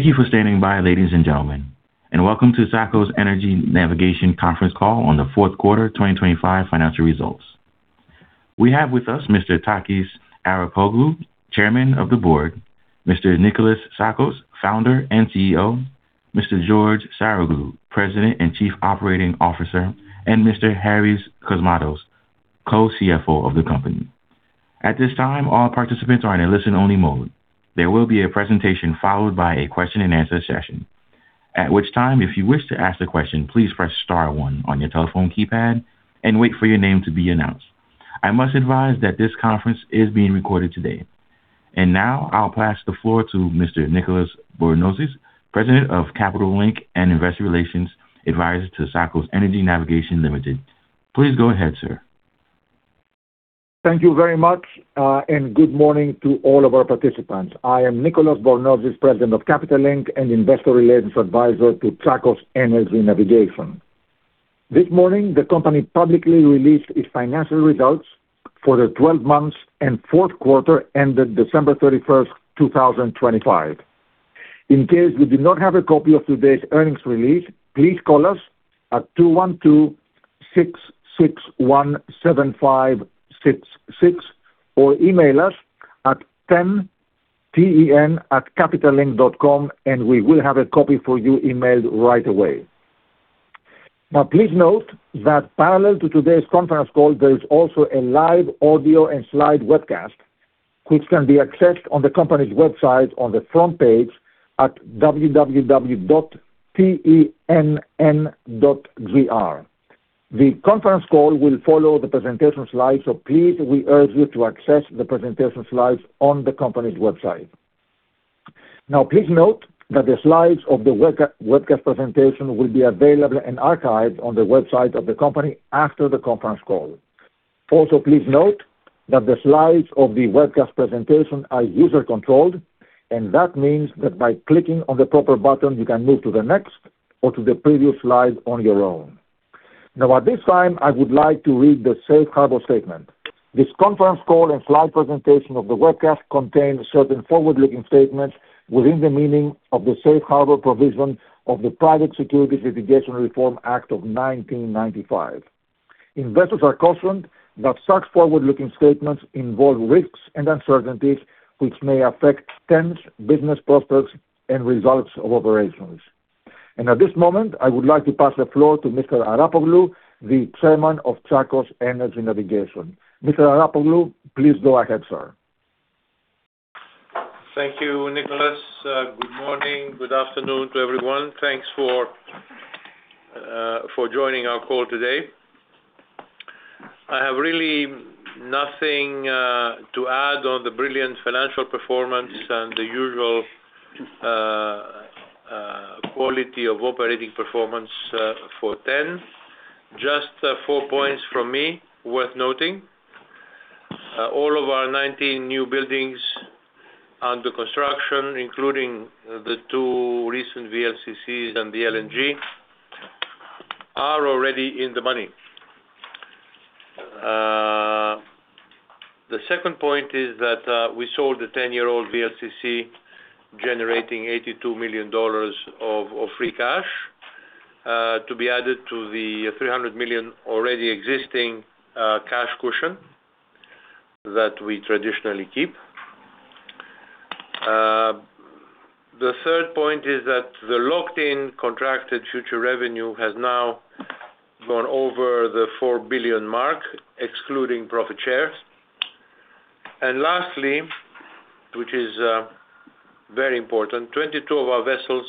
Thank you for standing by, ladies and gentlemen, and welcome to Tsakos Energy Navigation conference call on the fourth quarter 2025 financial results. We have with us Mr. Takis Arapoglou, Chairman of the Board, Mr. Nikolas Tsakos, Founder and CEO, Mr. George Saroglou, President and Chief Operating Officer, and Mr. Harrys Kosmatos, Co-CFO of the company. At this time, all participants are in a listen-only mode. There will be a presentation followed by a question and answer session. At which time, if you wish to ask the question, please press star one on your telephone keypad and wait for your name to be announced. I must advise that this conference is being recorded today. Now I'll pass the floor to Mr. Nicolas Bornozis, President of Capital Link and Investor Relations advisor to Tsakos Energy Navigation Limited. Please go ahead, sir. Thank you very much, good morning to all of our participants. I am Nicolas Bornozis, President of Capital Link and Investor Relations advisor to Tsakos Energy Navigation. This morning, the company publicly released its financial results for the 12 months and 4th quarter ended December 31, 2025. In case you do not have a copy of today's earnings release, please call us at 212-661-7566 or email us at TEN at capitallink.com and we will have a copy for you emailed right away. Please note that parallel to today's conference call, there is also a live audio and slide webcast which can be accessed on the company's website on the front page at www.tenn.gr. The conference call will follow the presentation slides so please we urge you to access the presentation slides on the company's website. Please note that the slides of the webcast presentation will be available and archived on the website of the company after the conference call. Please note that the slides of the webcast presentation are user controlled and that means that by clicking on the proper button you can move to the next or to the previous slide on your own. At this time, I would like to read the safe harbor statement. This conference call and slide presentation of the webcast contains certain forward-looking statements within the meaning of the Safe Harbor provision of the Private Securities Litigation Reform Act of 1995. Investors are cautioned that such forward-looking statements involve risks and uncertainties which may affect TEN's business prospects and results of operations. At this moment, I would like to pass the floor to Mr. Arapoglou, the Chairman of Tsakos Energy Navigation. Mr. Arapoglou, please go ahead, sir. Thank you, Nicholas. Good morning, good afternoon to everyone. Thanks for joining our call today. I have really nothing to add on the brilliant financial performance and the usual quality of operating performance for TEN. Just four points from me worth noting. All of our 19 new buildings under construction, including the two recent VLCCs and the LNG are already in the money. The second point is that we sold the 10-year-old VLCC generating $82 million of free cash to be added to the $300 million already existing cash cushion that we traditionally keep. The third point is that the locked-in contracted future revenue has now gone over the $4 billion mark, excluding profit shares. Lastly, which is very important, 22 of our vessels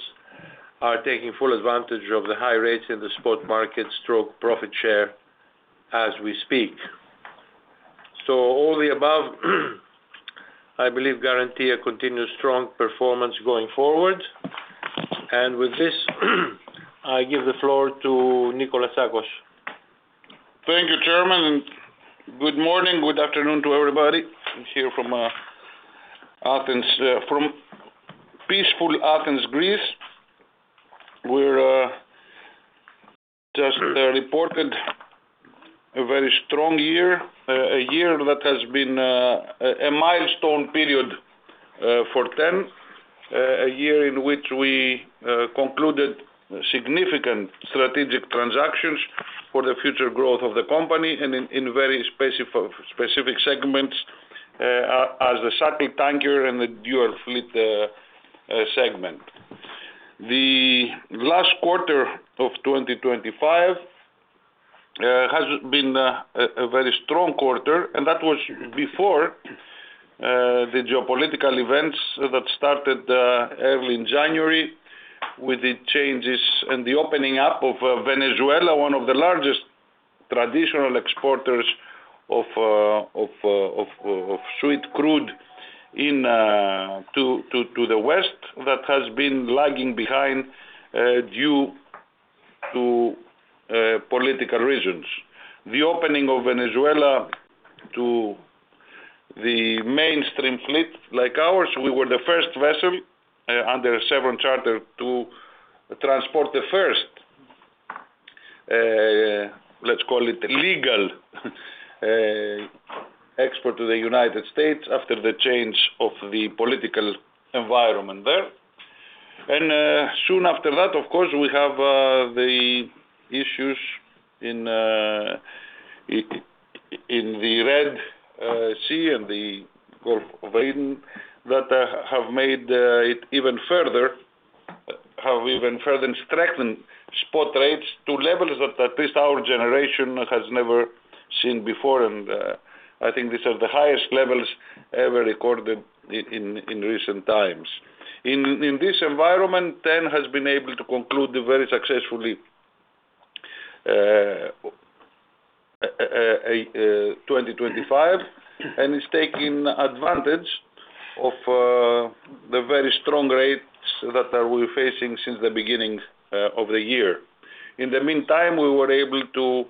are taking full advantage of the high rates in the spot market stroke profit share as we speak. All the above I believe guarantee a continued strong performance going forward. With this, I give the floor to Nikolas Tsakos. Thank you, Chairman. Good morning. Good afternoon to everybody here from Athens. From peaceful Athens, Greece. We're just reported a very strong year, a year that has been a milestone period for TEN. A year in which we concluded significant strategic transactions for the future growth of the company and in very specific segments, as the shuttle tanker and the dual fleet segment. The last quarter of 2025 has been a very strong quarter, and that was before the geopolitical events that started early in January with the changes and the opening up of Venezuela, one of the largest traditional exporters of sweet crude to the West that has been lagging behind due to political reasons. The opening of Venezuela to the mainstream fleet like ours, we were the first vessel under time charter to transport the first, let's call it legal, export to the United States after the change of the political environment there. Soon after that, of course, we have the issues in the Red Sea and the Gulf of Aden that have made it even further, have even further strengthened spot rates to levels that at least our generation has never seen before. I think these are the highest levels ever recorded in recent times. In this environment, TEN has been able to conclude very successfully a 2025, and is taking advantage of the very strong rates that we're facing since the beginning of the year. In the meantime, we were able to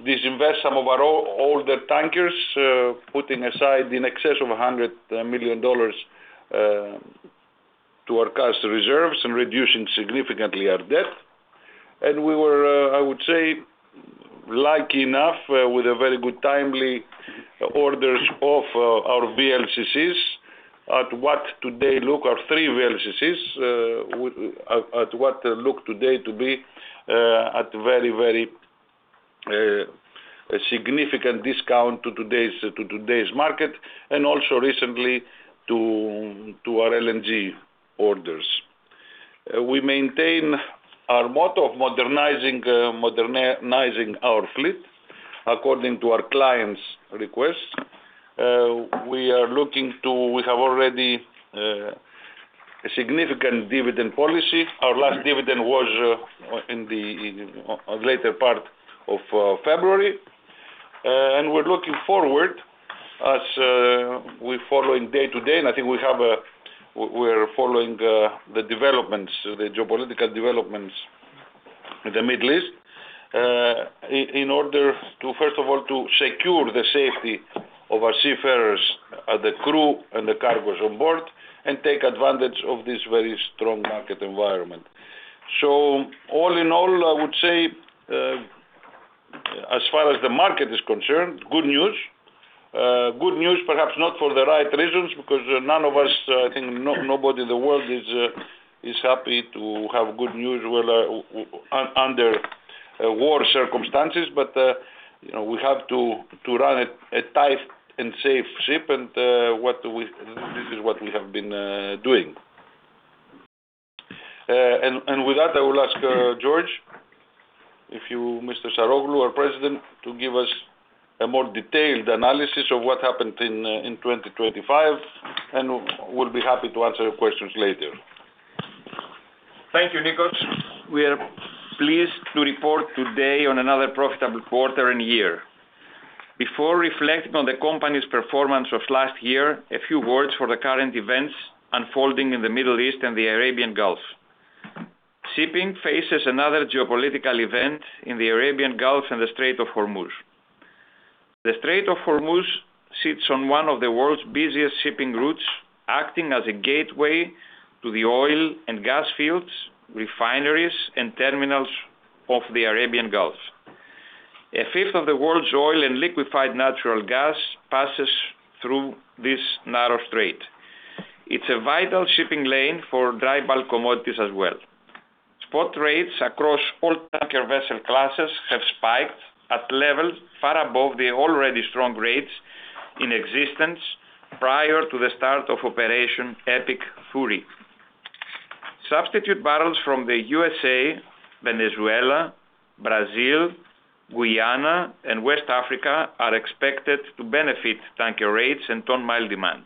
disinvest some of our older tankers, putting aside in excess of $100 million to our cost reserves and reducing significantly our debt. We were, I would say lucky enough with a very good timely orders of our VLCCs at what today look our 3 VLCCs, with at what look today to be at very significant discount to today's, to today's market, and also recently to our LNG orders. We maintain our motto of modernizing our fleet according to our clients' requests. We have already a significant dividend policy. Our last dividend was in the later part of February. We're looking forward as we're following day to day, and I think we have a... We're following the developments, the geopolitical developments in the Middle East in order to, first of all, to secure the safety of our seafarers, the crew, and the cargos on board and take advantage of this very strong market environment. All in all, I would say, as far as the market is concerned, good news. Good news perhaps not for the right reasons, because none of us, I think nobody in the world is happy to have good news well, under war circumstances. You know, we have to run a tight and safe ship and this is what we have been doing. With that, I will ask George, if you Mr. Saroglou, our President, to give us a more detailed analysis of what happened in 2025, and we'll be happy to answer your questions later. Thank you, Nikos. We are pleased to report today on another profitable quarter and year. Before reflecting on the company's performance of last year, a few words for the current events unfolding in the Middle East and the Arabian Gulf. Shipping faces another geopolitical event in the Arabian Gulf and the Strait of Hormuz. The Strait of Hormuz sits on one of the world's busiest shipping routes, acting as a gateway to the oil and gas fields, refineries, and terminals of the Arabian Gulf. A fifth of the world's oil and liquefied natural gas passes through this narrow strait. It's a vital shipping lane for dry bulk commodities as well. Spot rates across all tanker vessel classes have spiked at levels far above the already strong rates in existence prior to the start of operation Epic Fury. Substitute barrels from the USA, Venezuela, Brazil, Guyana and West Africa are expected to benefit tanker rates and ton mile demand.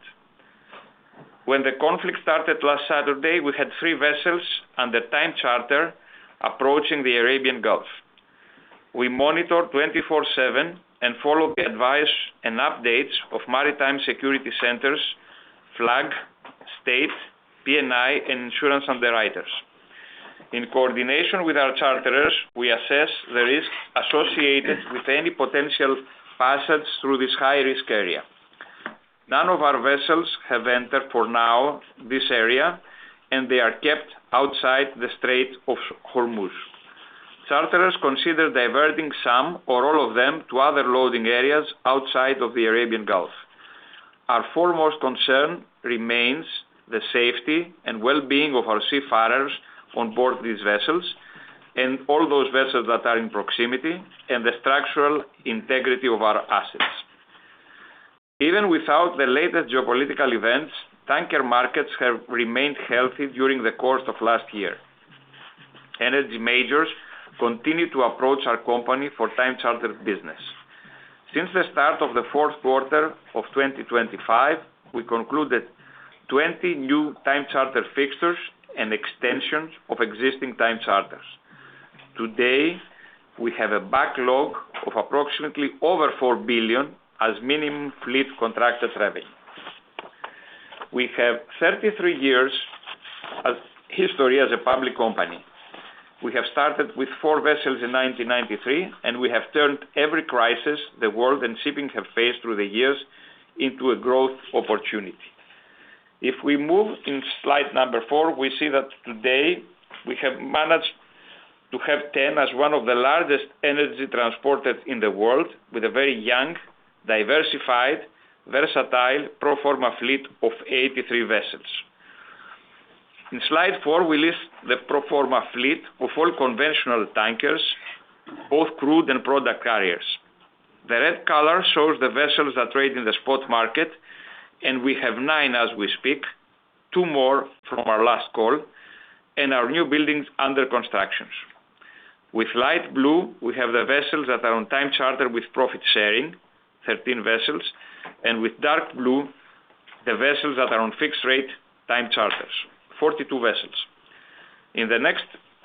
When the conflict started last Saturday, we had three vessels under time charter approaching the Arabian Gulf. We monitor 24/7 and follow the advice and updates of maritime security centers flag state P&I insurance underwriters. In coordination with our charterers, we assess the risks associated with any potential passage through this high-risk area. None of our vessels have entered for now this area, and they are kept outside the Strait of Hormuz. Charterers consider diverting some or all of them to other loading areas outside of the Arabian Gulf. Our foremost concern remains the safety and well-being of our seafarers on board these vessels and all those vessels that are in proximity and the structural integrity of our assets. Even without the latest geopolitical events, tanker markets have remained healthy during the course of last year. Energy majors continue to approach our company for time charter business. Since the start of the 4th quarter of 2025, we concluded 20 new time charter fixtures and extensions of existing time charters. Today, we have a backlog of approximately over $4 billion as minimum fleet contracted revenue. We have 33 years as history as a public company. We have started with 4 vessels in 1993, and we have turned every crisis the world and shipping have faced through the years into a growth opportunity. If we move in slide number 4, we see that today we have managed to have TEN as one of the largest energy transporters in the world with a very young, diversified, versatile pro forma fleet of 83 vessels. In slide 4, we list the pro forma fleet of all conventional tankers, both crude and product carriers. The red color shows the vessels that trade in the spot market, we have 9 as we speak, 2 more from our last call and our new buildings under construction. With light blue, we have the vessels that are on time charter with profit sharing, 13 vessels. With dark blue, the vessels that are on fixed rate time charters, 42 vessels. In the next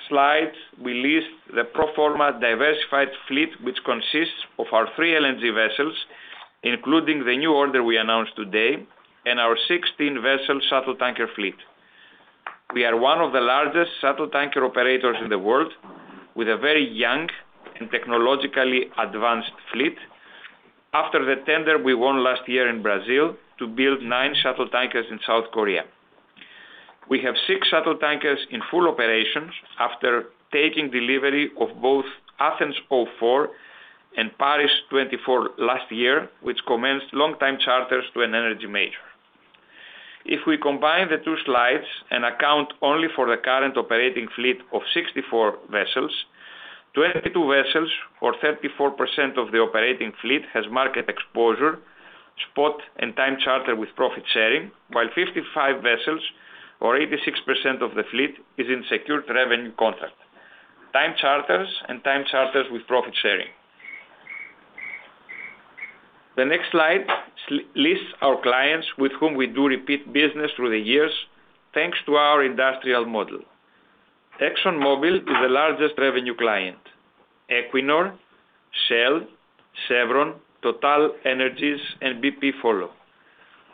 slide, we list the pro forma diversified fleet which consists of our 3 LNG vessels, including the new order we announced today, and our 16 vessel shuttle tanker fleet. We are one of the largest shuttle tanker operators in the world with a very young and technologically advanced fleet. After the tender we won last year in Brazil to build 9 shuttle tankers in South Korea. We have six shuttle tankers in full operations after taking delivery of both Athens 04 and Paris 24 last year, which commenced long time charters to an energy major. If we combine the two slides and account only for the current operating fleet of 64 vessels, 22 vessels or 34% of the operating fleet has market exposure, spot and time charter with profit sharing while 55 vessels or 86% of the fleet is in secured revenue contract, time charters and time charters with profit sharing. The next slide lists our clients with whom we do repeat business through the years thanks to our industrial model. ExxonMobil is the largest revenue client. Equinor, Shell, Chevron, TotalEnergies and BP follow.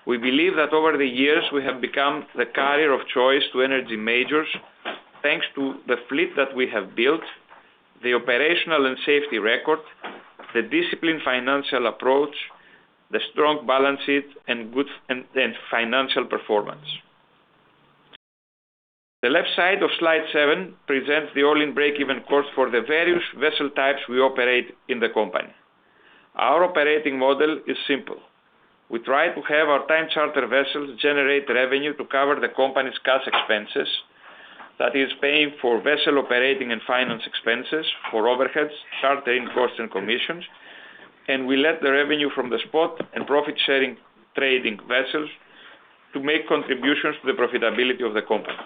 We believe that over the years, we have become the carrier of choice to energy majors thanks to the fleet that we have built, the operational and safety record, the disciplined financial approach, the strong balance sheet and good and financial performance. The left side of slide seven presents the all-in break-even cost for the various vessel types we operate in the company. Our operating model is simple. We try to have our time charter vessels generate revenue to cover the company's cash expenses. That is paying for vessel operating and finance expenses, for overheads, chartering costs and commissions. We let the revenue from the spot and profit sharing trading vessels to make contributions to the profitability of the company.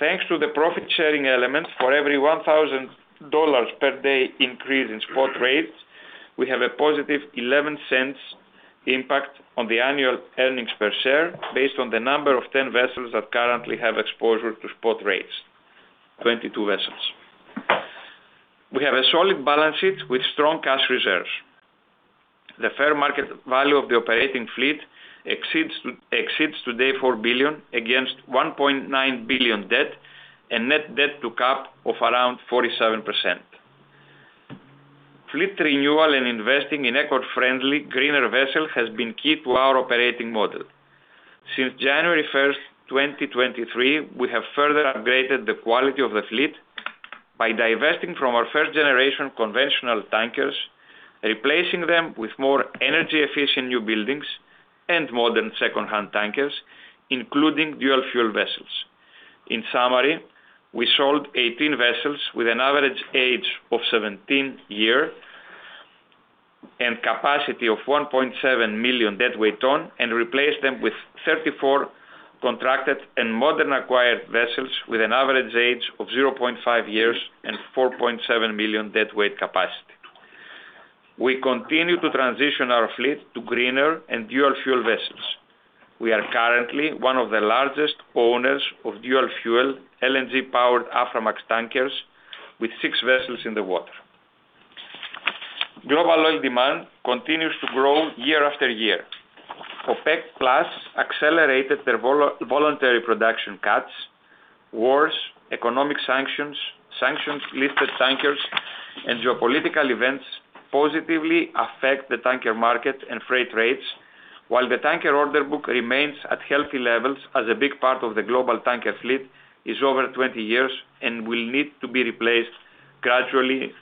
Thanks to the profit sharing elements for every $1,000 per day increase in spot rates, we have a positive $0.11 impact on the annual earnings per share based on the number of 10 vessels that currently have exposure to spot rates, 22 vessels. We have a solid balance sheet with strong cash reserves. The fair market value of the operating fleet exceeds today $4 billion against $1.9 billion debt and net debt to cap of around 47%. Fleet renewal and investing in eco-friendly greener vessel has been key to our operating model. Since January 1, 2023, we have further upgraded the quality of the fleet by divesting from our first generation conventional tankers, replacing them with more energy efficient new buildings and modern second-hand tankers, including dual fuel vessels. In summary, we sold 18 vessels with an average age of 17 year and capacity of 1.7 million deadweight ton and replaced them with 34 contracted and modern acquired vessels with an average age of 0.5 years and 4.7 million deadweight capacity. We continue to transition our fleet to greener and dual-fuel vessels. We are currently one of the largest owners of dual-fuel LNG powered Aframax tankers with 6 vessels in the water. Global oil demand continues to grow year after year. OPEC+ accelerated their voluntary production cuts, wars, economic sanctions lifted tankers and geopolitical events positively affect the tanker market and freight rates while the tanker order book remains at healthy levels as a big part of the global tanker fleet is over 20 years and will need to be replaced gradually.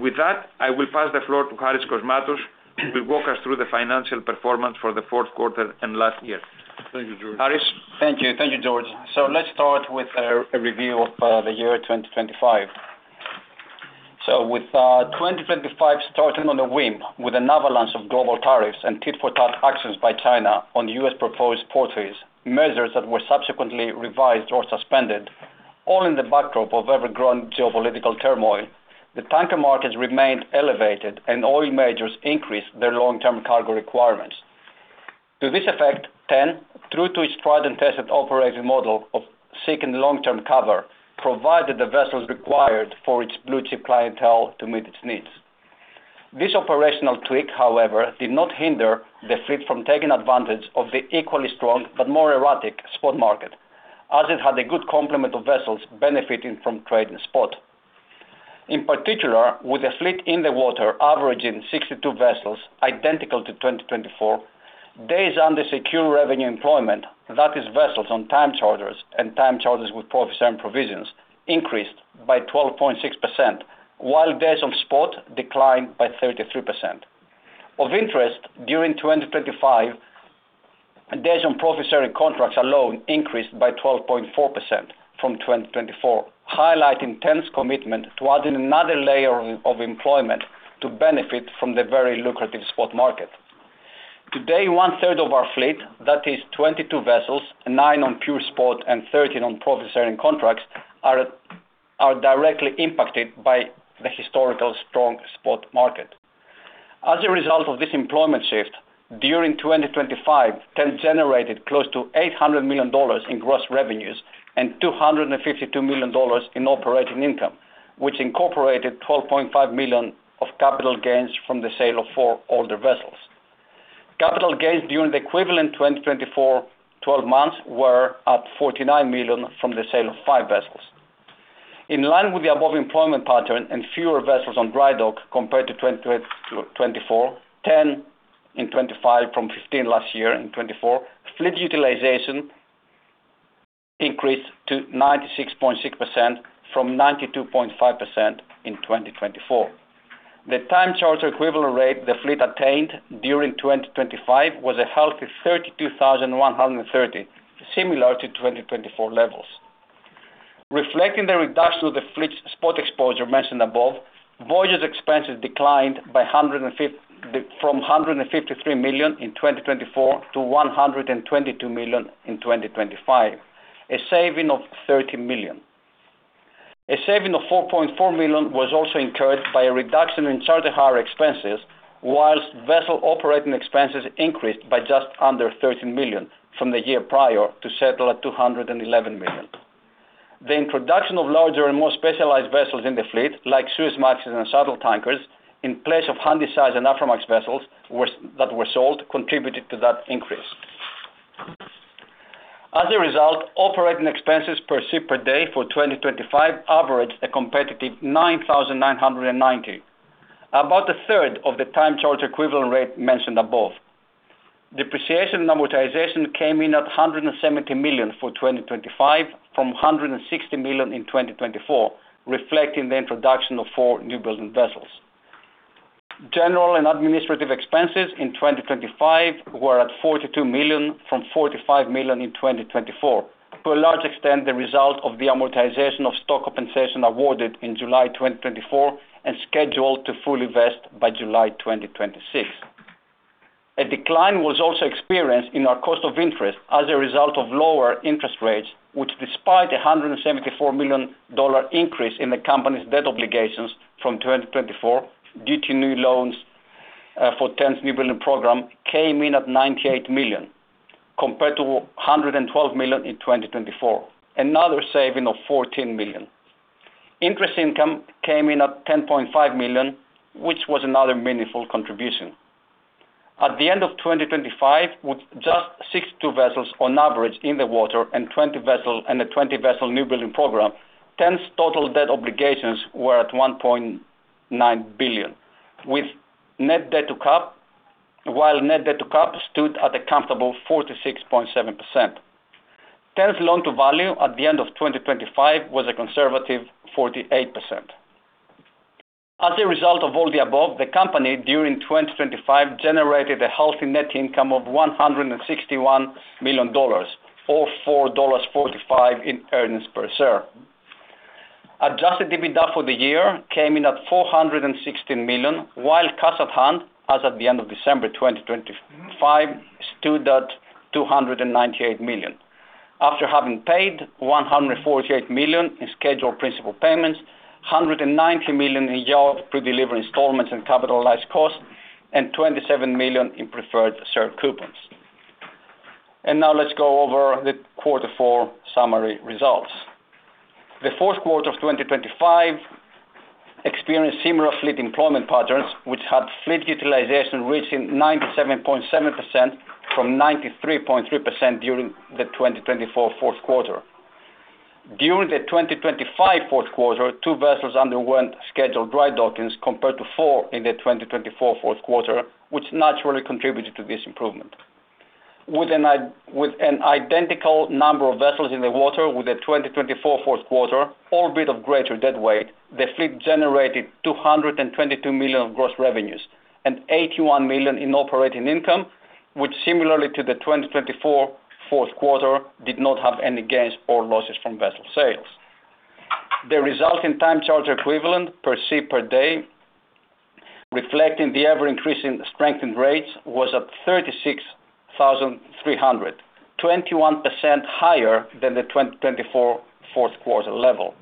With that, I will pass the floor to Harrys Kosmatos, who will walk us through the financial performance for the fourth quarter and last year. Thank you, George. Harrys? Thank you. Thank you, George. Let's start with a review of the year 2025. With 2025 starting on a whim with an avalanche of global tariffs and tit-for-tat actions by China on U.S. proposed port fees, measures that were subsequently revised or suspended, all in the backdrop of ever-growing geopolitical turmoil, the tanker markets remained elevated and oil majors increased their long-term cargo requirements. To this effect, TEN, true to its tried and tested operating model of seeking long-term cover, provided the vessels required for its blue chip clientele to meet its needs. This operational tweak, however, did not hinder the fleet from taking advantage of the equally strong but more erratic spot market, as it had a good complement of vessels benefiting from trade and spot. In particular, with the fleet in the water averaging 62 vessels, identical to 2024, days under secure revenue employment, that is vessels on time charters and time charters with profit sharing provisions increased by 12.6%, while days on spot declined by 33%. Of interest, during 2025, days on profit sharing contracts alone increased by 12.4% from 2024, highlighting TEN's commitment to adding another layer of employment to benefit from the very lucrative spot market. Today, one-third of our fleet, that is 22 vessels, nine on pure spot and 13 on profit sharing contracts, are directly impacted by the historical strong spot market. As a result of this employment shift, during 2025, TEN generated close to $800 million in gross revenues and $252 million in operating income, which incorporated $12.5 million of capital gains from the sale of 4 older vessels. Capital gains during the equivalent 2024 12 months were at $49 million from the sale of 5 vessels. In line with the above employment pattern and fewer vessels on dry dock compared to 2024, TEN in 2025 from 15 last year in 2024, fleet utilization increased to 96.6% from 92.5% in 2024. The time charter equivalent rate the fleet attained during 2025 was a healthy $32,130, similar to 2024 levels. Reflecting the reduction of the fleet's spot exposure mentioned above, voyage's expenses declined from $153 million in 2024 to $122 million in 2025, a saving of $30 million. A saving of $4.4 million was also incurred by a reduction in charter hire expenses, whilst vessel operating expenses increased by just under $13 million from the year prior to settle at $211 million. The introduction of larger and more specialized vessels in the fleet, like Suezmax and shuttle tankers, in place of Handysize and Aframax vessels that were sold, contributed to that increase. As a result, operating expenses per ship per day for 2025 averaged a competitive $9,990, about a third of the time charter equivalent rate mentioned above. Depreciation and amortization came in at $170 million for 2025 from $160 million in 2024, reflecting the introduction of four newbuilding vessels. General and administrative expenses in 2025 were at $42 million from $45 million in 2024. To a large extent, the result of the amortization of stock compensation awarded in July 2024 and scheduled to fully vest by July 2026. A decline was also experienced in our cost of interest as a result of lower interest rates, which despite a $174 million increase in the company's debt obligations from 2024 due to new loans for TEN's newbuilding program, came in at $98 million, compared to $112 million in 2024, another saving of $14 million. Interest income came in at $10.5 million, which was another meaningful contribution. At the end of 2025, with just 62 vessels on average in the water and a 20-vessel newbuilding program, TEN's total debt obligations were at $1.9 billion. While net debt to cap stood at a comfortable 46.7%. TEN's loan to value at the end of 2025 was a conservative 48%. As a result of all the above, the company during 2025 generated a healthy net income of $161 million, or $4.45 in earnings per share. Adjusted EBITDA for the year came in at $416 million, while cash on hand as at the end of December 2025 stood at $298 million. After having paid $148 million in scheduled principal payments, $190 million in yard pre-delivery installments and capitalized costs, and $27 million in preferred share coupons. Now let's go over the quarter four summary results. The fourth quarter of 2025 experienced similar fleet employment patterns, which had fleet utilization reaching 97.7% from 93.3% during the 2024 fourth quarter. During the 2025 fourth quarter, two vessels underwent scheduled dry dockings, compared to four in the 2024 fourth quarter, which naturally contributed to this improvement. With an identical number of vessels in the water with the 2024 fourth quarter or a bit of greater deadweight, the fleet generated $222 million of gross revenues and $81 million in operating income, which similarly to the 2024 fourth quarter did not have any gains or losses from vessel sales. The result in time charter equivalent per ship per day, reflecting the ever-increasing strength in rates, was at 36,300, 21% higher than the 2024 fourth quarter level.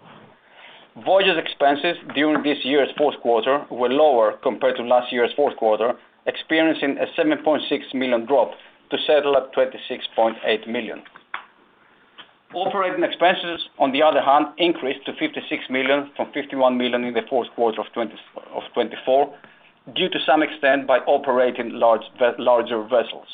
Voyage's expenses during this year's fourth quarter were lower compared to last year's fourth quarter, experiencing a $7.6 million drop to settle at $26.8 million. Operating expenses, on the other hand, increased to $56 million from $51 million in the fourth quarter of 2024 due to some extent by operating larger vessels.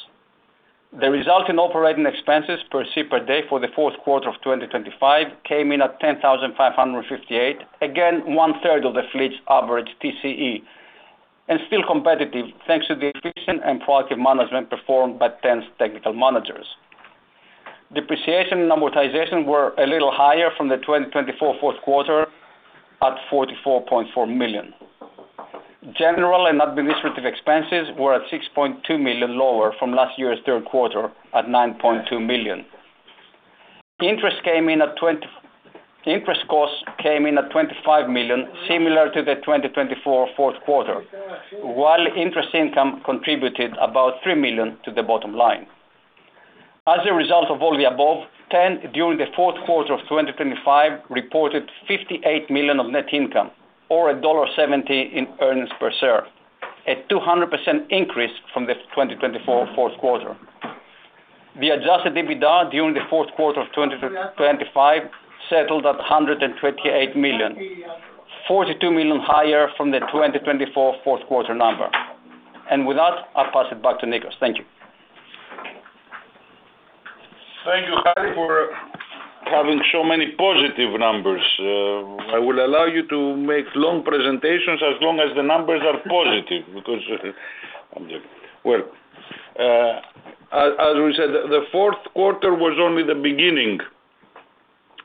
The result in operating expenses per ship per day for the fourth quarter of 2025 came in at $10,558, again one-third of the fleet's average TCE and still competitive, thanks to the efficient and quality of management performed by TEN's technical managers. Depreciation and amortization were a little higher from the 2024 fourth quarter at $44.4 million. General and administrative expenses were at $6.2 million lower from last year's third quarter at $9.2 million. Interest costs came in at $25 million similar to the 2024 fourth quarter, while interest income contributed about $3 million to the bottom line. As a result of all the above, TEN during the fourth quarter of 2025 reported $58 million of net income or $1.70 in earnings per share, a 200% increase from the 2024 fourth quarter. The adjusted EBITDA during the fourth quarter of 2025 settled at $128 million, $42 million higher from the 2024 fourth quarter number. With that, I'll pass it back to Nikos. Thank you. Thank you, Harrys, for having so many positive numbers. I will allow you to make long presentations as long as the numbers are positive because I'm joking. Well, as we said, the fourth quarter was only the beginning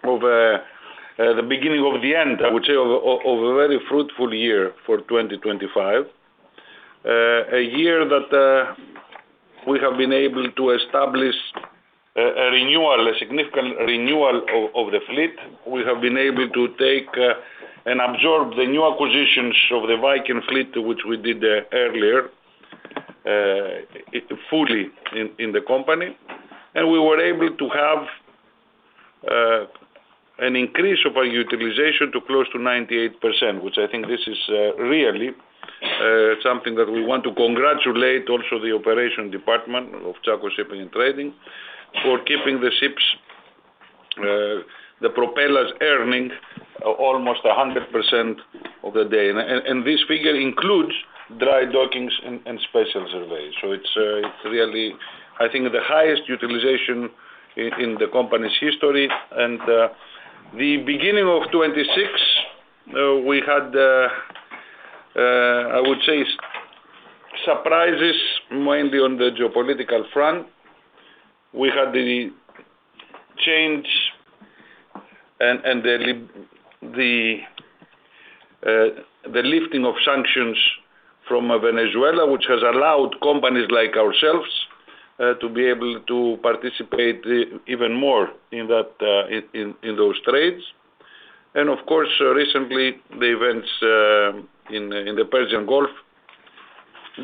of the beginning of the end, I would say of a very fruitful year for 2025. A year that we have been able to establish a renewal, a significant renewal of the fleet. We have been able to take and absorb the new acquisitions of the Viking fleet, which we did earlier, fully in the company. We were able to have an increase of our utilization to close to 98%, which I think this is really something that we want to congratulate also the operation department of Tsakos Shipping and Trading for keeping the ships, the propellers earning almost 100% of the day. This figure includes dry dockings and special surveys. It's really, I think, the highest utilization in the company's history. The beginning of 2026, we had, I would say surprises mainly on the geopolitical front. We had the change and the lifting of sanctions from Venezuela, which has allowed companies like ourselves to be able to participate even more in that in those trades. Of course, recently the events in the Persian Gulf,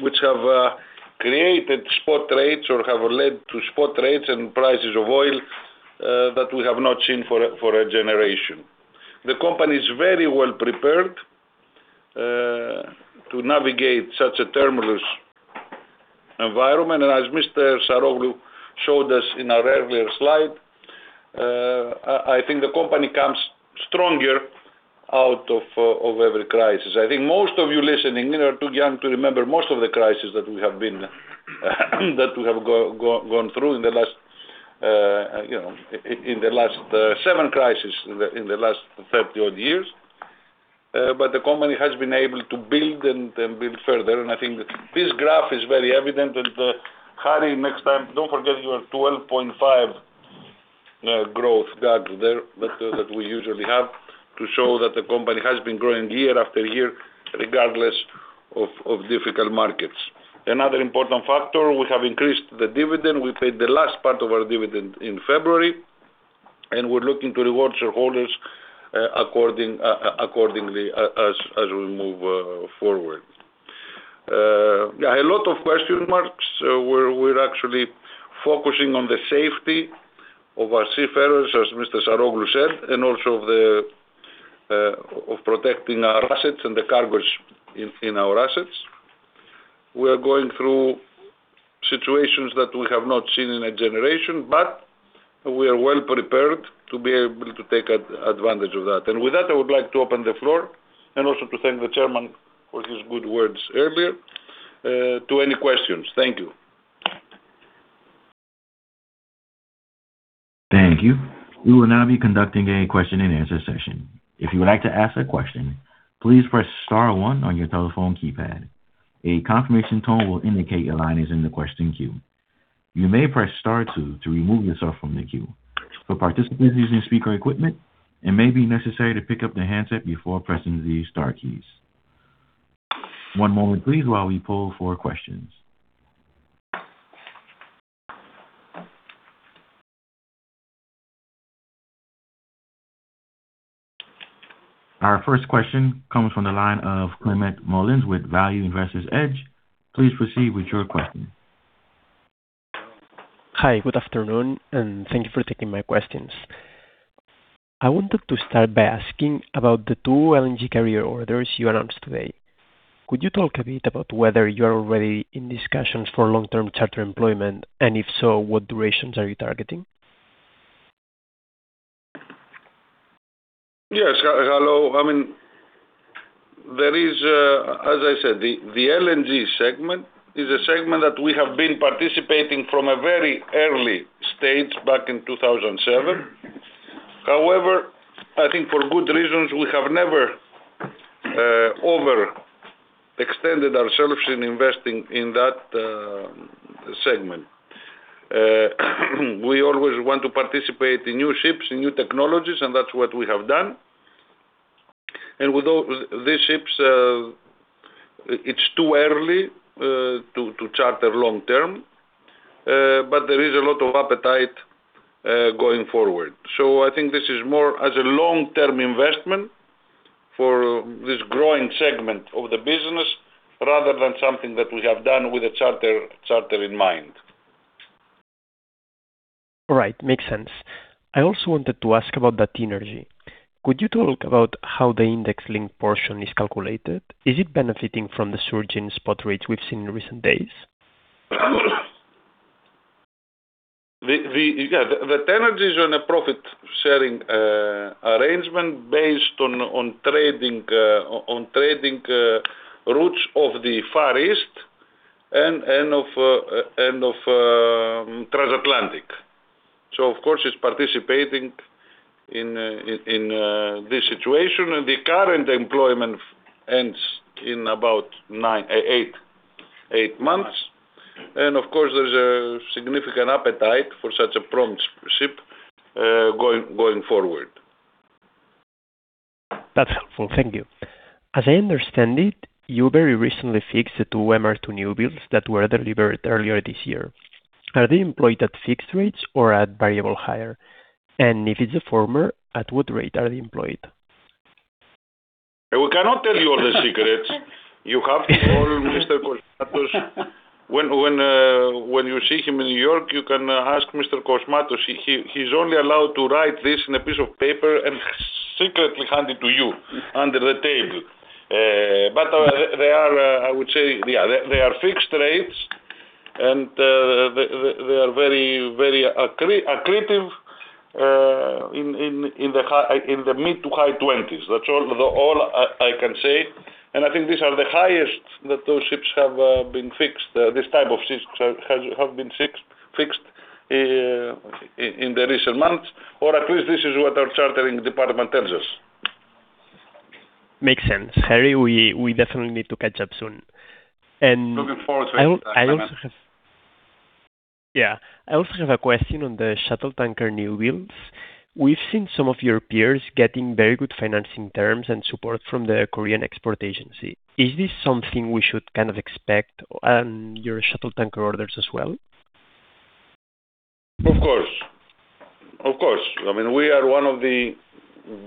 which have created spot rates or have led to spot rates and prices of oil that we have not seen for a generation. The company is very well prepared to navigate such a tumultuous environment. As Mr. Saroglou showed us in our earlier slide, I think the company comes stronger out of every crisis. I think most of you listening are too young to remember most of the crisis that we have gone through in the last, you know, in the last 7 crises in the, in the last 30 odd years. But the company has been able to build and build further. I think this graph is very evident that, Harry, next time don't forget your 12.5 growth graph there that we usually have to show that the company has been growing year after year regardless of difficult markets. Another important factor, we have increased the dividend. We paid the last part of our dividend in February. We're looking to reward shareholders accordingly as we move forward. Yeah, a lot of question marks. We're actually focusing on the safety of our seafarers, as Mr. Saroglou said, and also of protecting our assets and the cargoes in our assets. We are going through situations that we have not seen in a generation. We are well prepared to be able to take advantage of that. With that, I would like to open the floor and also to thank the Chairman for his good words earlier, to any questions. Thank you. Thank you. We will now be conducting a question and answer session. If you would like to ask a question, please press star one on your telephone keypad. A confirmation tone will indicate your line is in the question queue. You may press star two to remove yourself from the queue. For participants using speaker equipment, it may be necessary to pick up the handset before pressing these star keys. One moment please while we pull for questions. Our first question comes from the line of Climent Molins with Value Investor's Edge. Please proceed with your question. Hi, good afternoon, and thank you for taking my questions. I wanted to start by asking about the two LNG carrier orders you announced today. Could you talk a bit about whether you are already in discussions for long-term charter employment? If so, what durations are you targeting? Yes. Hello. I mean, there is, as I said, the LNG segment is a segment that we have been participating from a very early stage back in 2007. I think for good reasons, we have never over extended ourselves in investing in that segment. We always want to participate in new ships and new technologies, and that's what we have done. With these ships, it's too early to charter long-term, there is a lot of appetite going forward. I think this is more as a long-term investment for this growing segment of the business rather than something that we have done with a charter in mind. Right. Makes sense. I also wanted to ask about that energy. Could you talk about how the index link portion is calculated? Is it benefiting from the surge in spot rates we've seen in recent days? The energies on a profit-sharing arrangement based on trading routes of the Far East and of Transatlantic. Of course, it's participating in this situation. The current employment ends in about 9, 8 months. Of course, there's a significant appetite for such a prompt ship going forward. That's helpful. Thank you. As I understand it, you very recently fixed the 2 MR2 new builds that were delivered earlier this year. Are they employed at fixed rates or at variable hire? If it's the former, at what rate are they employed? We cannot tell you all the secrets. You have to call Mr. Kosmatos. When you see him in New York, you can ask Mr. Kosmatos. He's only allowed to write this on a piece of paper and secretly hand it to you under the table. They are, I would say, yeah, they are fixed rates and they are very, very accretive in the mid to high twenties. That's all I can say. I think these are the highest that those ships have been fixed. This type of ships have been fixed in the recent months, or at least this is what our chartering department tells us. Makes sense. Harry, we definitely need to catch up soon. Looking forward to it, Simon. Yeah. I also have a question on the shuttle tanker new builds. We've seen some of your peers getting very good financing terms and support from the Korean Export Agency. Is this something we should kind of expect on your shuttle tanker orders as well? Of course. Of course. I mean, we are one of the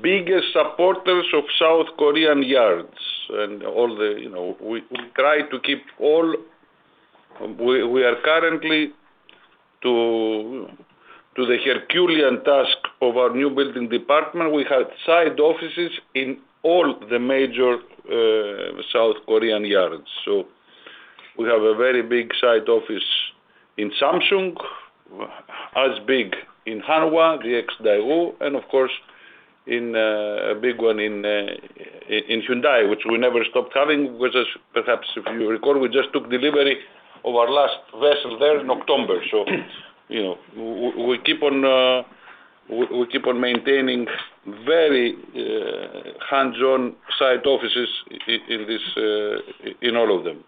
biggest supporters of South Korean yards and all the, you know, we try to keep all. We are currently to the Herculean task of our new building department. We have side offices in all the major South Korean yards. We have a very big site office in Samsung, as big in Hanwha, the ex-Daewoo, and of course, in a big one in Hyundai, which we never stopped having. Which is perhaps, if you recall, we just took delivery of our last vessel there in October. You know, we keep on maintaining very hands-on site offices in this, in all of them.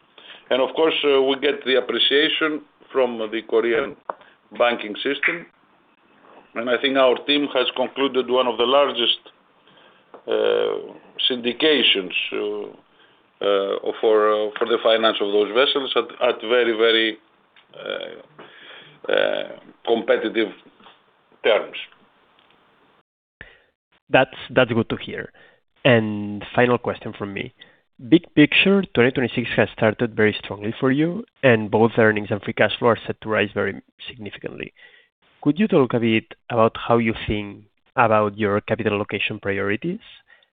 Of course, we get the appreciation from the Korean banking system. I think our team has concluded one of the largest syndications for the finance of those vessels at very competitive terms. That's good to hear. Final question from me. Big picture, 2026 has started very strongly for you and both earnings and free cash flow are set to rise very significantly. Could you talk a bit about how you think about your capital allocation priorities?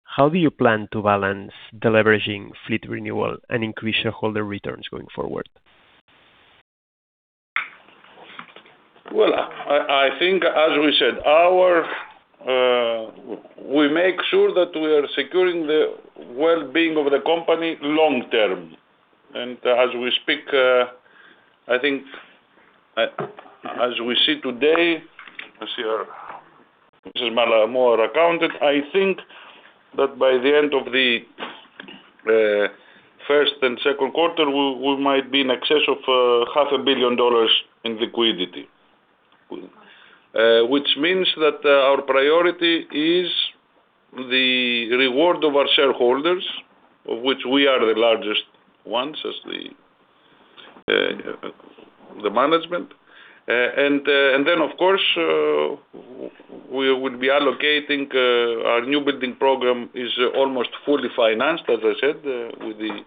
How do you plan to balance deleveraging fleet renewal and increase shareholder returns going forward? Well, I think as we said, our, we make sure that we are securing the well-being of the company long-term. As we speak, I think as we see today, as your more accounted, I think that by the end of the first and second quarter, we might be in excess of half a billion dollars in liquidity. Which means that, our priority is the reward of our shareholders, of which we are the largest ones as the management. Of course, we would be allocating, our new building program is almost fully financed, as I said, with the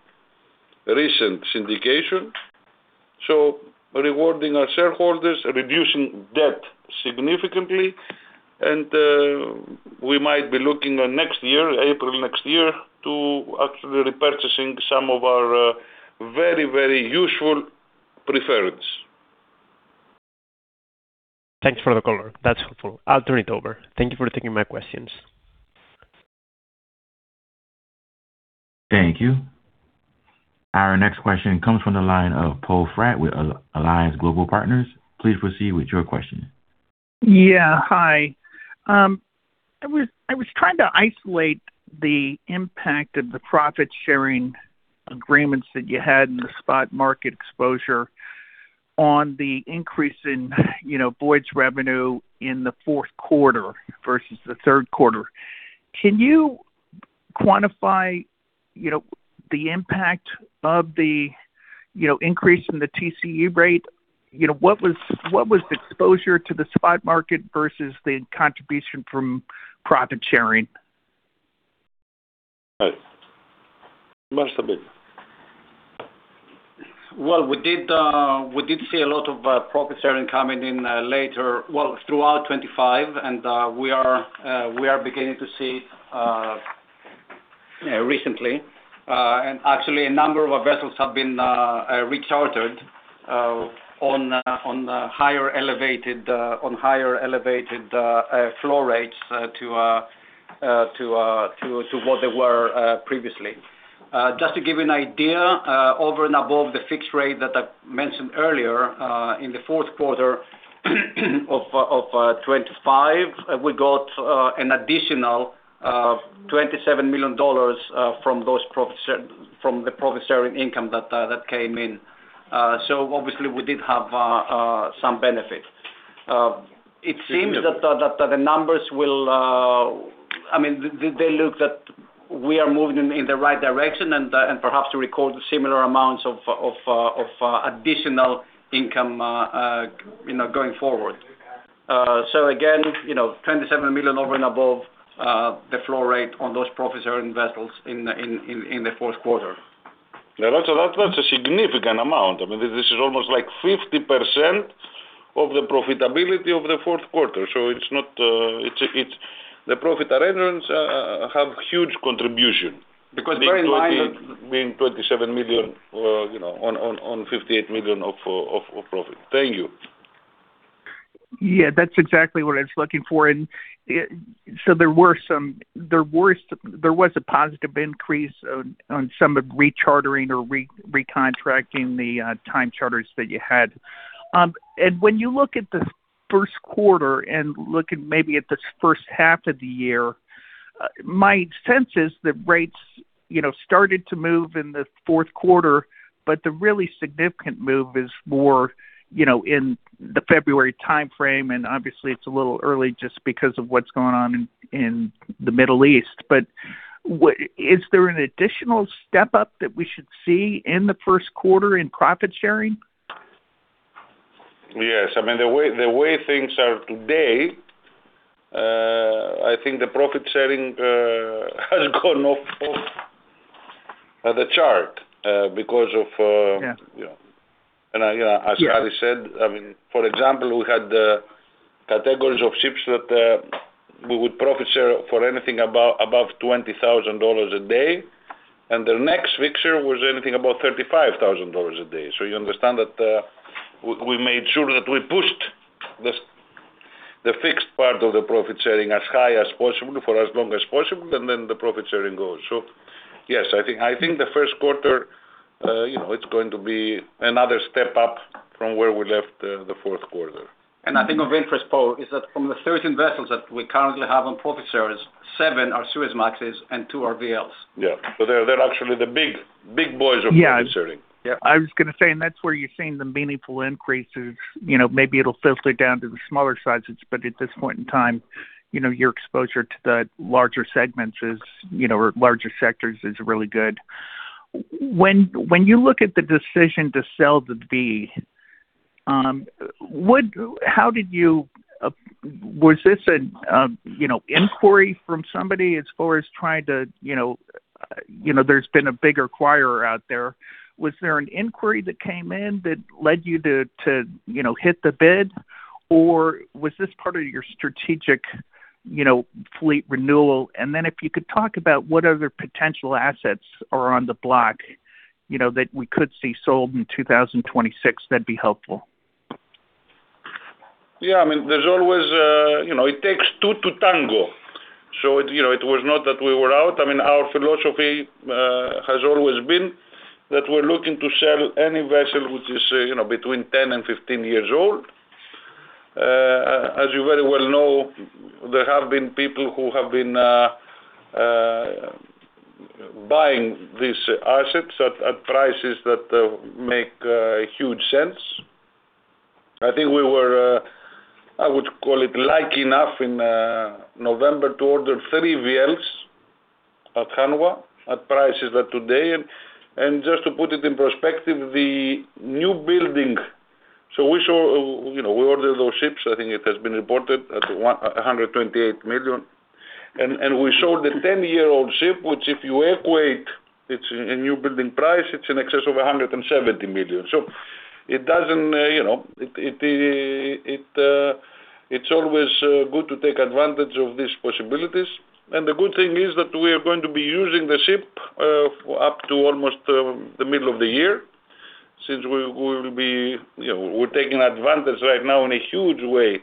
recent syndication. Rewarding our shareholders, reducing debt significantly, and we might be looking next year, April next year, to actually repurchasing some of our very, very usual preference. Thanks for the color. That's helpful. I'll turn it over. Thank you for taking my questions. Thank you. Our next question comes from the line of Poe Fratt with Alliance Global Partners. Please proceed with your question. Hi. I was trying to isolate the impact of the profit-sharing agreements that you had in the spot market exposure on the increase in, you know, voyage revenue in the fourth quarter versus the third quarter. Can you quantify, you know, the impact of the, you know, increase in the TCE rate? You know, what was the exposure to the spot market versus the contribution from profit sharing? Right. Must have been. Well, we did see a lot of profit sharing coming in later while throughout 2025, and we are beginning to see recently. Actually, a number of our vessels have been rechartered on higher elevated flow rates to what they were previously. Just to give you an idea, over and above the fixed rate that I mentioned earlier, in the fourth quarter of 2025, we got an additional $27 million from those profit share, from the profit sharing income that came in. Obviously we did have some benefit. It seems that the numbers will... I mean, they look that we are moving in the right direction and perhaps to record similar amounts of additional income, you know, going forward. Again, you know, $27 million over and above the flow rate on those profit sharing vessels in the fourth quarter. Yeah. That's a significant amount. I mean, this is almost like 50% of the profitability of the fourth quarter. It's not, it's the profit arrangements have huge contribution. Bear in mind that. Being $27 million, you know, on $58 million of profit. Thank you. That's exactly what I was looking for. There was a positive increase on some of rechartering or recontracting the time charters that you had. When you look at the first quarter and look at maybe at the first half of the year, my sense is that rates, you know, started to move in the fourth quarter, but the really significant move is more, you know, in the February timeframe. Obviously it's a little early just because of what's going on in the Middle East. Is there an additional step up that we should see in the first quarter in profit sharing? Yes. I mean, the way things are today, I think the profit sharing has gone off the chart because of. Yeah. You know. You know, as Harry said, I mean, for example, we had categories of ships that we would profit share for anything above $20,000 a day. The next fixture was anything about $35,000 a day. You understand that we made sure that we pushed this, the fixed part of the profit sharing as high as possible for as long as possible, and then the profit sharing goes. Yes, I think the first quarter, you know, it's going to be another step up from where we left the fourth quarter. I think of interest, Poe, is that from the 13 vessels that we currently have on profit shares, 7 are Suezmaxes and 2 are VLs. Yeah. They're actually the big, big boys of profit sharing. Yeah. I was gonna say, that's where you're seeing the meaningful increases. You know, maybe it'll filter down to the smaller sizes. At this point in time, you know, your exposure to the larger segments is, you know, or larger sectors is really good. When you look at the decision to sell the V, how did you, was this an, you know, inquiry from somebody as far as trying to, you know, you know, there's been a bigger choir out there? Was there an inquiry that came in that led you to, you know, hit the bid? Was this part of your strategic, you know, fleet renewal? If you could talk about what other potential assets are on the block, you know, that we could see sold in 2026, that'd be helpful. Yeah. I mean, there's always, you know, it takes two to tango. It, you know, it was not that we were out. I mean, our philosophy has always been that we're looking to sell any vessel which is, you know, between 10 and 15 years old. As you very well know, there have been people who have been buying these assets at prices that make huge sense. I think we were I would call it lucky enough in November to order 3 VLs at Hanwha at prices that today. Just to put it in perspective, we saw, you know, we ordered those ships, I think it has been reported at $128 million. We sold the 10-year-old ship, which if you equate, it's a new building price, it's in excess of $170 million. It doesn't, you know, it's always good to take advantage of these possibilities. The good thing is that we are going to be using the ship for up to almost the middle of the year since we will be, you know, we're taking advantage right now in a huge way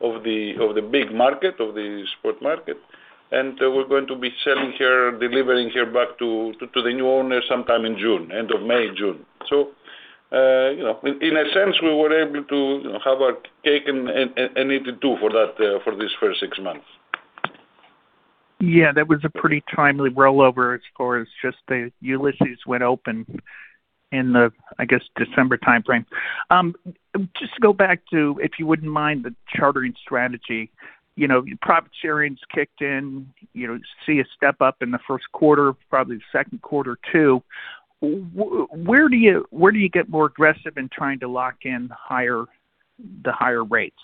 of the big market, of the spot market. We're going to be selling here, delivering here back to the new owner sometime in June, end of May, June. You know, in a sense, we were able to have our cake and eat it too for that for this first six months. Yeah, that was a pretty timely rollover as far as just the Ulysses went open in the, I guess, December timeframe. Just to go back to, if you wouldn't mind, the chartering strategy. You know, profit sharing's kicked in. You know, see a step up in the first quarter, probably the second quarter too. Where do you get more aggressive in trying to lock in higher, the higher rates?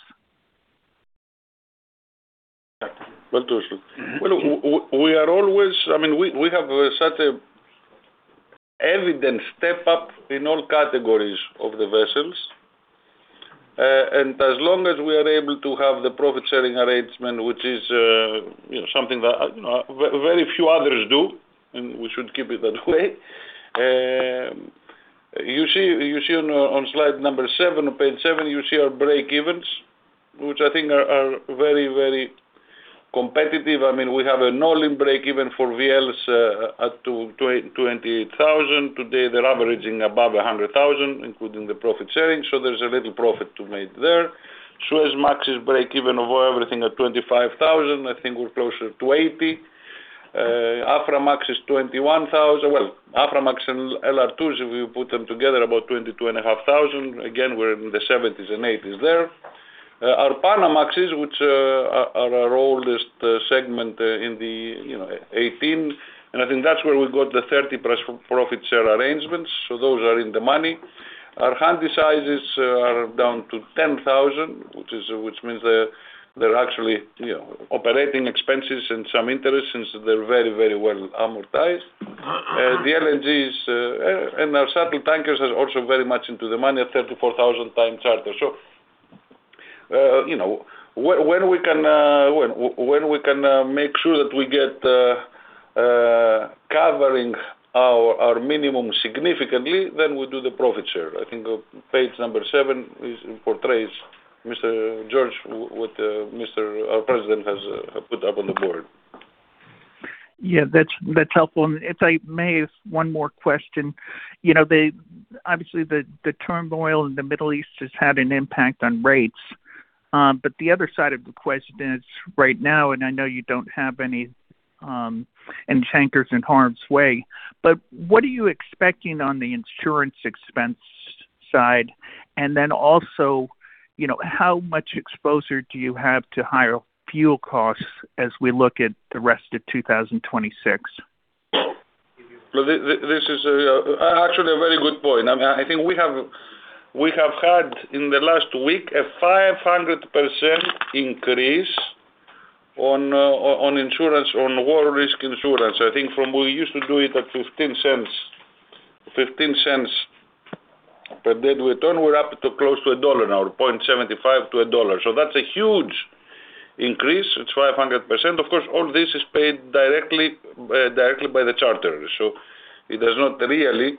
Well, I mean, we have such a evident step up in all categories of the vessels. As long as we are able to have the profit sharing arrangement, which is, you know, something that, you know, very few others do, and we should keep it that way. You see on slide number 7, page 7, you see our breakevens, which I think are very, very competitive. I mean, we have a all-in breakeven for VLs up to $28,000. Today, they're averaging above $100,000, including the profit sharing. Suezmax's breakeven over everything at $25,000. I think we're closer to $80,000. Aframax is $21,000. Well, Aframax and LR2s, if we put them together about $22,500. Again, we're in the 70s and 80s there. Our Panamax is, which are our oldest segment, in the, you know, 18. I think that's where we got the 30 plus profit share arrangements, so those are in the money. Our Handysizes are down to $10,000, which means they're actually, you know, operating expenses and some interest since they're very, very well amortized. The LNGs and our shuttle tankers are also very much into the money at $34,000 time charter. You know, when we can, when we can make sure that we get covering our minimum significantly, then we do the profit share. I think page number 7 is, portrays, Mr. George, what Mr., our President has put up on the board. Yeah, that's helpful. If I may have one more question. You know obviously the turmoil in the Middle East has had an impact on rates. The other side of the question is right now, and I know you don't have any tankers in harm's way, but what are you expecting on the insurance expense side? Also, you know, how much exposure do you have to higher fuel costs as we look at the rest of 2026? Well, this is actually a very good point. I mean, I think we have, we have had in the last week a 500% increase on insurance, on war risk insurance. I think from we used to do it at $0.15, $0.15 per deadweight ton, we're up to close to $1 now, $0.75 to $1. That's a huge increase. It's 500%. Of course, all this is paid directly by the charterers. It does not really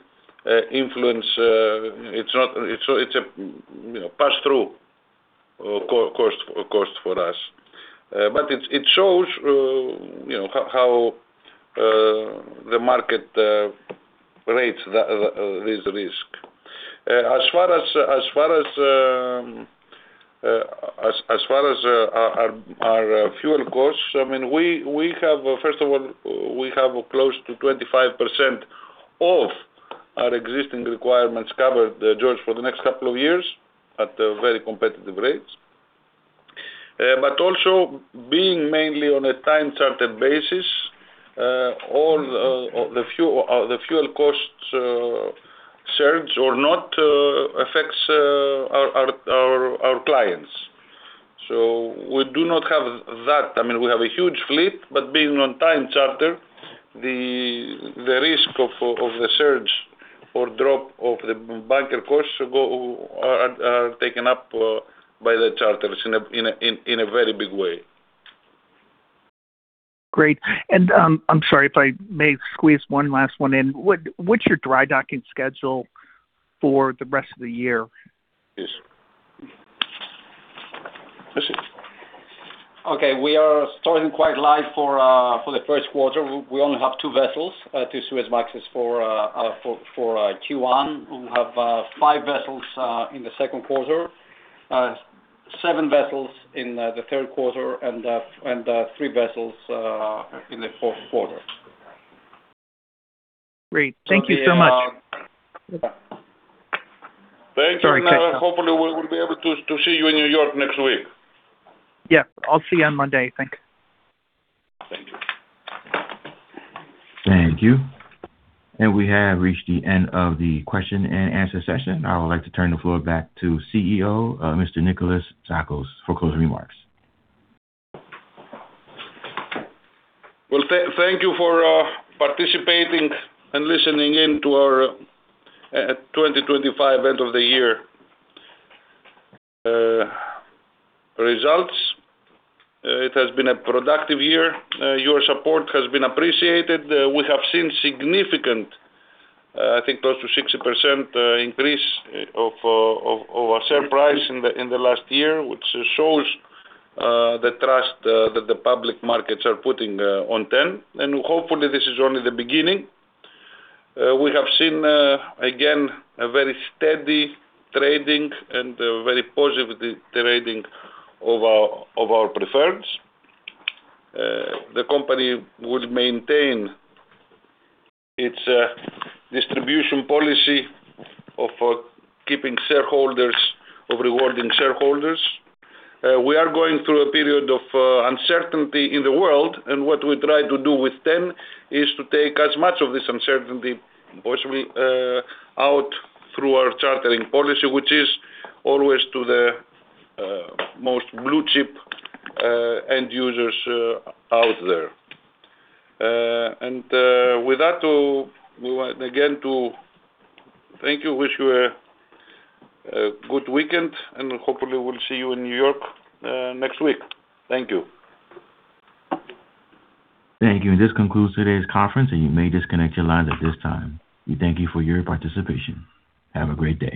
influence, it's a, you know, pass through cost for us. But it shows, you know, how the market rates this risk. As far as our fuel costs, I mean, we have, first of all, we have close to 25% of our existing requirements covered, George, for the next couple of years at a very competitive rates. Also, being mainly on a time charter basis, all the fuel costs, surge or not, affects our clients. We do not have that. I mean, we have a huge fleet, but being on time charter, the risk of the surge or drop of the bunker costs are taken up by the charters in a very big way. Great. I'm sorry, if I may squeeze one last one in. What's your dry docking schedule for the rest of the year? Yes. Okay. We are starting quite light for the 1st quarter. We only have 2 vessels, 2 Suezmaxes for Q1. We have 5 vessels in the 2nd quarter, 7 vessels in the 3rd quarter, and 3 vessels in the 4th quarter. Great. Thank you so much. Thank you. Sorry. Hopefully we'll be able to see you in New York next week. Yeah. I'll see you on Monday. Thank you. Thank you. Thank you. We have reached the end of the question and answer session. I would like to turn the floor back to CEO, Mr. Nicholas Tsakos for closing remarks. Well, thank you for participating and listening in to our 2025 end of the year results. It has been a productive year. Your support has been appreciated. We have seen significant, I think close to 60% increase of our share price in the last year, which shows the trust that the public markets are putting on TEN. Hopefully this is only the beginning. We have seen again, a very steady trading and a very positive trading of our preferreds. The company would maintain its distribution policy of keeping shareholders, of rewarding shareholders. We are going through a period of uncertainty in the world, and what we try to do with TEN is to take as much of this uncertainty possibly out through our chartering policy, which is always to the most blue chip end users out there. With that, we want again to thank you, wish you a good weekend, and hopefully we'll see you in New York next week. Thank you. Thank you. This concludes today's conference. You may disconnect your lines at this time. We thank you for your participation. Have a great day.